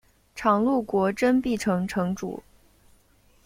常陆国真壁城城主。